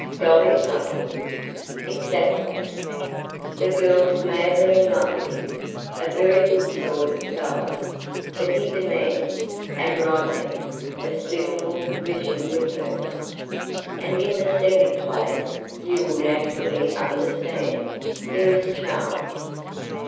"Dolly's uncle." "Exactly. The girl's madly in love with him. A very good sort of fellow, but he demands and rightly a suitable provision with her. And in the second place, you will naturally understand, there is Charles.